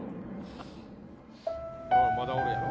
まだおるやん。